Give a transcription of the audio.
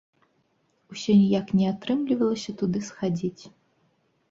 Усё ніяк не атрымлівалася туды схадзіць.